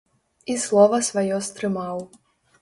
І слова сваё стрымаў.